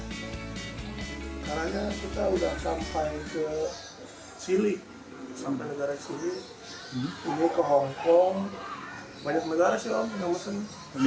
sekarang kita sudah sampai ke chile